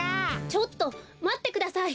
ちょっとまってください。